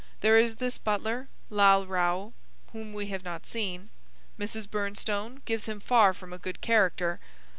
There is this butler, Lal Rao, whom we have not seen. Mrs. Bernstone gives him far from a good character.